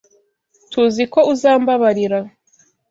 TUZI ko uzambabarira.